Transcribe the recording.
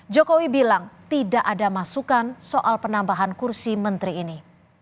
jokowi bilang tidak ada masukan soal penambahan kursi menteri ini